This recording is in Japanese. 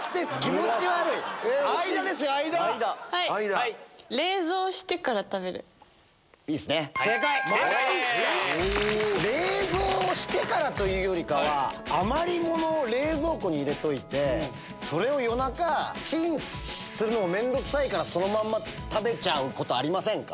マジっすか⁉冷蔵してからというよりかは余り物を冷蔵庫に入れといてそれを夜中チンするの面倒くさいからそのまま食べちゃうことありませんか？